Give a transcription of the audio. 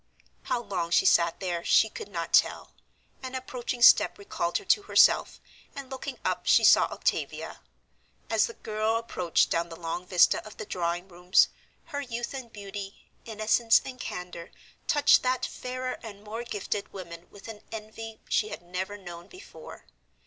How long she sat there she could not tell; an approaching step recalled her to herself, and looking up she saw Octavia. As the girl approached down the long vista of the drawing rooms, her youth and beauty, innocence and candor touched that fairer and more gifted woman with an envy she had never known before.